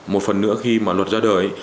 một phần nữa khi mà luật ra đời